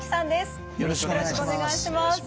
よろしくお願いします。